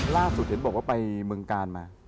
ล่าสุดเห็นบอกว่าไปเมืองกาลมา